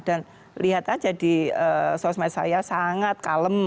dan lihat aja di sosmed saya sangat kalem